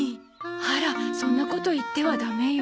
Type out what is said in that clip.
あらそんなこと言ってはダメよ。